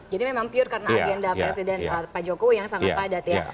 jadi memang pure karena agenda presiden pak jokowi yang sangat padat ya